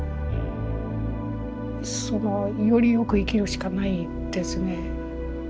そのより善く生きるしかないですね。